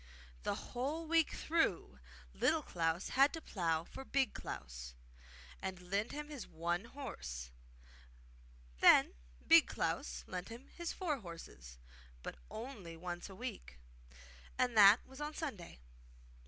The whole week through Little Klaus had to plough for Big Klaus, and lend him his one horse; then Big Klaus lent him his four horses, but only once a week, and that was on Sunday.